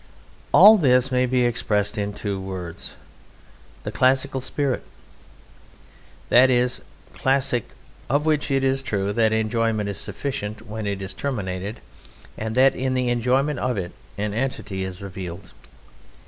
All this may be expressed in two words: the Classical Spirit. That is Classic of which it is true that the enjoyment is sufficient when it is terminated and that in the enjoyment of it an entity is revealed.